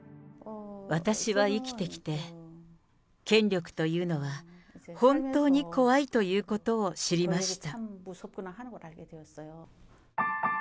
私は生きてきて、権力というのは本当に怖いということを知りました。